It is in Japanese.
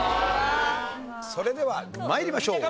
それでは参りましょう。